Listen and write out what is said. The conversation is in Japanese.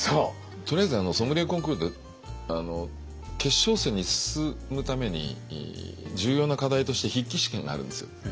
とりあえずソムリエコンクールで決勝戦に進むために重要な課題として筆記試験があるんです。